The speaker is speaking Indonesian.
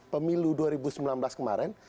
pemilu dua ribu sembilan belas kemarin